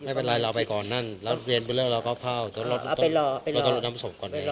ไม่ได้ไม่ได้ต้องเห็นพรุ่งนี้ที่เย็น